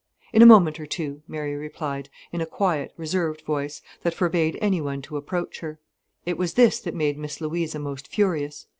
"In a moment or two," Mary replied, in a quiet, reserved voice, that forbade anyone to approach her. It was this that made Miss Louisa most furious.